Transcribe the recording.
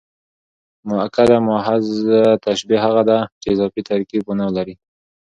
مؤکده محض تشبیه هغه ده، چي اضافي ترکیب و نه لري.